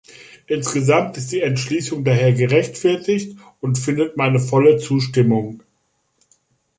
Insgesamt ist die Entschließung daher gerechtfertigt und findet meine volle Zustimmung.